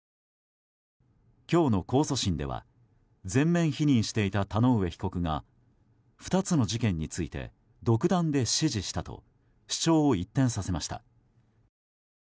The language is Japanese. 今日の控訴審では全面否認していた田上被告が２つの事件について独断で指示したと主張を一転させました。